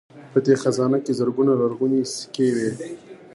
په دې خزانه کې زرګونه لرغونې سکې وې